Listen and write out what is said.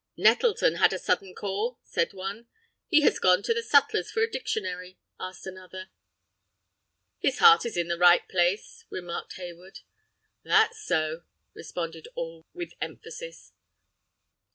"Nettleton had a sudden call!" said one. "He has gone to the sutler for a dictionary!" added another. "His heart is in the right place," remarked Hayward. "That's so!" responded all, with emphasis.